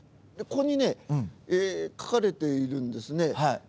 ここにね書かれているんですね。